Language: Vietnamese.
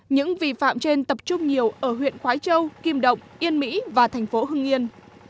những vi phạm trên tập trung nhiều ở huyện khói châu kim động yên mỹ và thành phố hưng yên